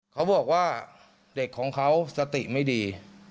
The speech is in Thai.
เขาบอกว่าเด็กของเขาสติไม่ดี